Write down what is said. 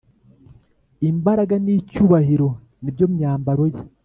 imbaraga n’icyubahiro ni byo myambaro ye,